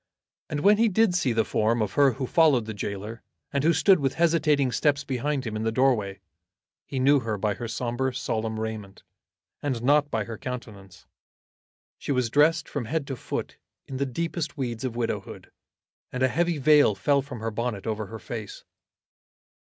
And when he did see the form of her who followed the gaoler, and who stood with hesitating steps behind him in the doorway, he knew her by her sombre solemn raiment, and not by her countenance. She was dressed from head to foot in the deepest weeds of widowhood, and a heavy veil fell from her bonnet over her face.